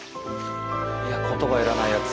いや言葉いらないやつ。